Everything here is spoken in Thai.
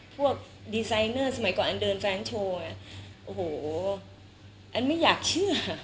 พวกดีไซเนอร์สมัยก่อนอันเดินแฟนโชว์อ่ะโอ้โหอันไม่อยากเชื่อ